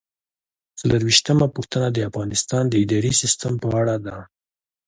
څلرویشتمه پوښتنه د افغانستان د اداري سیسټم په اړه ده.